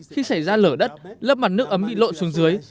khi xảy ra lở đất lớp mặt nước ấm bị lộ xuống dưới